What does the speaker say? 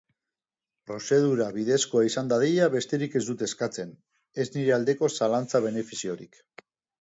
Prozedura bidezkoa izan dadila besterik ez dut eskatzen, ez nire aldeko zalantza-benefiziorik.